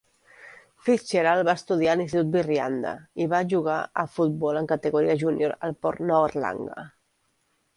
Fitzgerald va estudiar a l'Institut Wirreanda i va jugar a futbol en categoria júnior al Port Noarlunga.